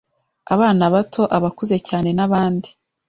Abana bato, abakuze cyane n’abandi